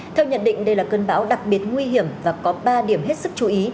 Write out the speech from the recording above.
theo nhận định đây là cơn bão đặc biệt nguy hiểm và có ba điểm hết sức chú ý